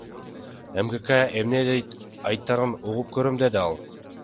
МКК эмне деп айтаарын угуп көрөм, — деди ал.